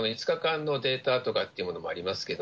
５日間のデータとかということもあります